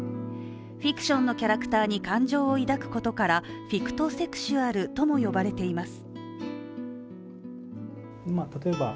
フィクションのキャラクターに感情を抱くことから、フィクトセクシュアルとも呼ばれています。